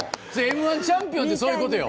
Ｍ−１チャンピオンって、そういうことよ。